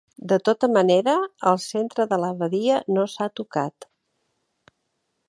De tota manera, el centre de la badia no s'ha tocat.